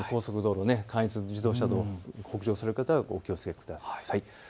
関越自動車道、北上される方はお気をつけください。